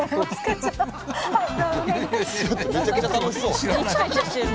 めちゃくちゃ楽しそう！